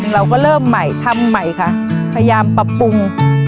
เราก็เริ่มใหม่ทำใหม่ค่ะพยายามปรับปรุง